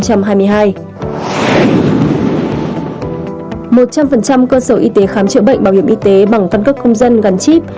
một trăm linh cơ sở y tế khám chữa bệnh bảo hiểm y tế bằng căn cước công dân gắn chip